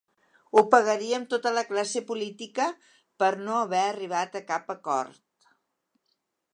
“Ho pagaríem tota la classe política” per no haver arribar a cap acord.